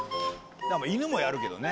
犬もやるけどね。